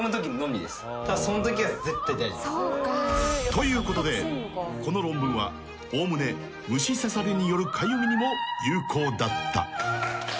［ということでこの論文はおおむね虫刺されによるかゆみにも有効だった］